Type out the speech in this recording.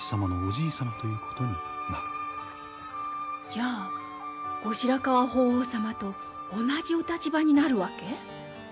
じゃあ後白河法皇様と同じお立場になるわけ？